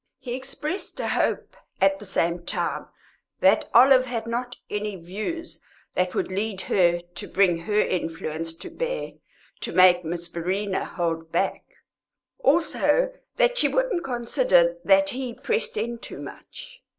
He expressed a hope at the same time that Olive had not any views that would lead her to bring her influence to bear to make Miss Verena hold back; also that she wouldn't consider that he pressed in too much.